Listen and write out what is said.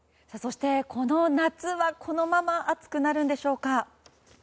この夏はこのまま熱くなるんでしょうか？